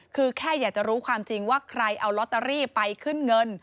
คือแค่อยากจะรู้ความจริงว่าใครเอาลอตเตอรี่ไปขึ้นเงิน